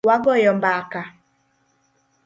Wagoyo mbaka.